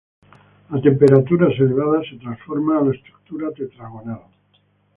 A temperaturas elevadas, se transforma a la estructura tetragonal.